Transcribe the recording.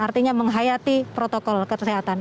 artinya menghayati protokol kesehatan